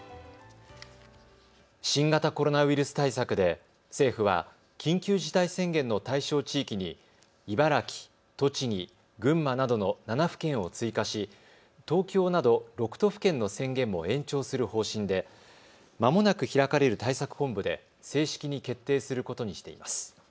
新型コロナウイルス対策で政府は緊急事態宣言の対象地域に茨城、栃木、群馬などの７府県を追加し、東京など６都府県の宣言も延長する方針でまもなく開かれる対策本部で正式に決定することにしています。